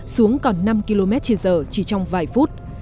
xuống còn năm kmh chỉ trong vài phút